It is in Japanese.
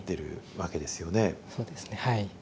そうですねはい。